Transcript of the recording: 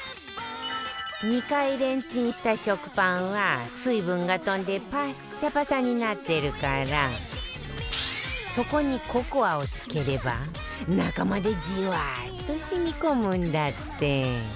２回レンチンした食パンは水分が飛んでパッサパサになってるからそこにココアをつければ中までジワーッとしみ込むんだって